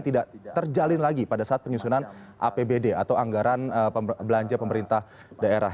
tidak terjalin lagi pada saat penyusunan apbd atau anggaran belanja pemerintah daerah